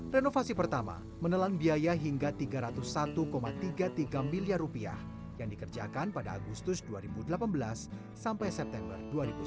renovasi pertama menelan biaya hingga rp tiga ratus satu tiga puluh tiga miliar yang dikerjakan pada agustus dua ribu delapan belas sampai september dua ribu sembilan belas